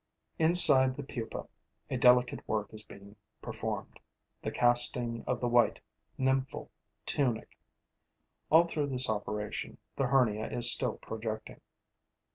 Inside the pupa, a delicate work is being performed: the casting of the white nymphal tunic. All through this operation, the hernia is still projecting.